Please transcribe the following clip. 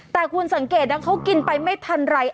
แต่คุณสังเกตนะเขากินไปไม่ทันไร